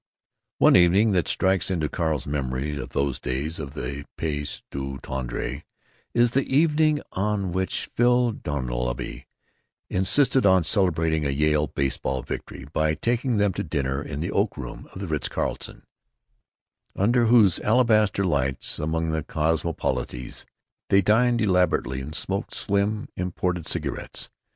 One evening that strikes into Carl's memories of those days of the pays du tendre is the evening on which Phil Dunleavy insisted on celebrating a Yale baseball victory by taking them to dinner in the oak room of the Ritz Carlton, under whose alabaster lights, among the cosmopolites, they dined elaborately and smoked slim, imported cigarettes.